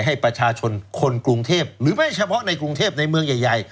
ให้ประชาชนคนกรุงเทพหรือไม่เฉพาะในกรุงเทพในเมืองใหญ่